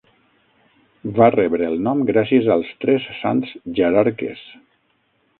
Va rebre el nom gràcies als Tres Sants Jararques.